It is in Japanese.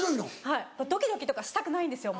はいもうドキドキとかしたくないんですよ